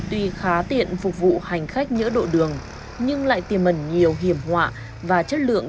tuy khá tiện phục vụ hành khách nhỡ độ đường nhưng lại tiềm mẩn nhiều hiểm họa và chất lượng